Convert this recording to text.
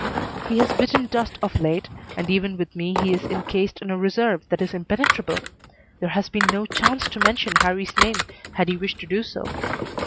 He has bitten dust of late and even with me he is incased in a reserve that is impenetrable. There has been no chance to mention Harrie's name had he wished to do so.